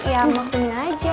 ya makan aja